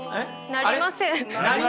なりません。